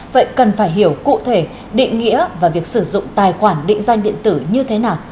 vậy cần phải hiểu cụ thể định nghĩa và việc sử dụng tài khoản định danh điện tử như thế nào